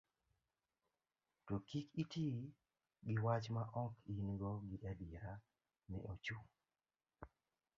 to kik iti gi wach ma ok in go gi adiera ni ochung